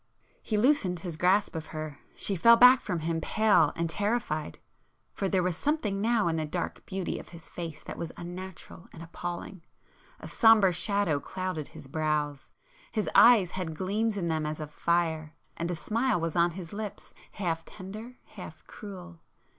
He loosened his grasp of her,—she fell back from him pale and terrified,—for there was something now in the dark beauty of his face that was unnatural and appalling. A sombre shadow clouded his brows,—his eyes had gleams in them as of fire,—and a smile was on his lips, half tender, half cruel.